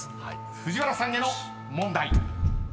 ［藤原さんへの問題］